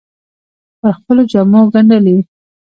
پر خپلو جامو ګنډلې